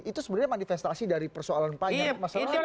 itu sebenarnya manifestasi dari persoalan panjang